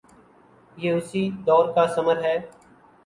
یہ اسی دور کا ثمر ہے۔